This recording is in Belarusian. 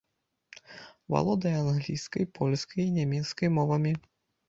Валодае англійскай, польскай і нямецкай мовамі.